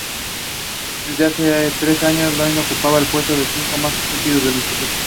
Desde hace tres años, Lloyd ocupa el puesto de chico más estúpido del instituto.